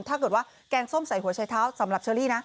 ถ้าเกิดว่าแกงส้มใส่หัวชัยเท้าสำหรับเชอรี่นะ